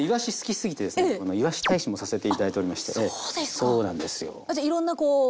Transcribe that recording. そうなんですよ。